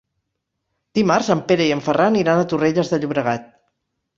Dimarts en Pere i en Ferran iran a Torrelles de Llobregat.